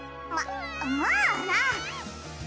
ままあな。